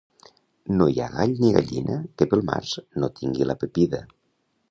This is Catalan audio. No hi ha gall ni gallina que pel març no tingui la pepida.